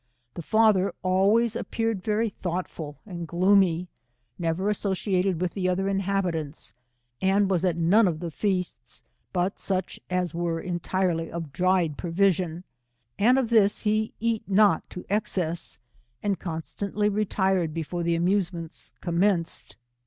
The fa ther always appeared very thoughtful and gloomy, never associated with the other inhabitants, and was at none of the feasts, but such as were entirely of dried provision, and of this, he eat not to excess, and con stantly retired before the amusements commenced.